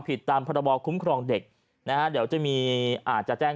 ผิดตามพระบอบคุ้มโคร่เอาเด็กนะเดี๋ยวจะมีอาจจะแจ้ง